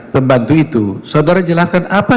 pembantu itu saudara jelaskan apa